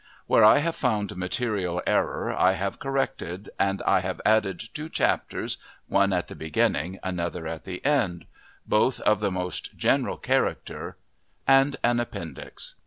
Where I have found material error I have corrected; and I have added two chapters, one at the beginning, another at the end, both of the most general character, and an appendix.